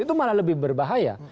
itu malah lebih berbahaya